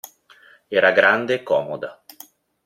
Era grande e comoda.